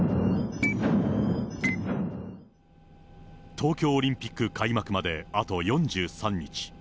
東京オリンピック開幕まであと４３日。